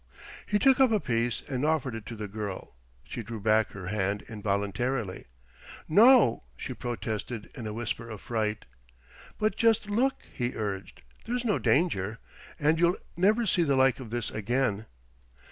He took up a piece and offered it to the girl. She drew back her hand involuntarily. "No!" she protested in a whisper of fright. "But just look!" he urged. "There's no danger ... and you'll never see the like of this again!"